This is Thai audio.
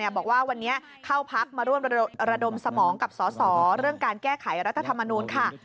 บอกว่าวันนี้เข้าพักมาร่วมระดมสมองกับสสเรื่องการแก้ไขรัฐธรรมนูลค่ะ